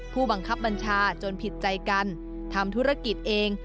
ผู้บังคับบัญชาจนผิดใจกันทำธุรกิจเอง